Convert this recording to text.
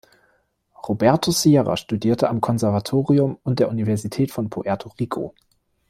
Roberto Sierra studierte am Konservatorium und der Universität von Puerto Rico.